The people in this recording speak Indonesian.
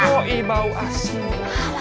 po ii bau asin